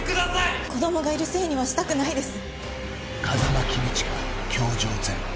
「子供がいるせいにはしたくないです」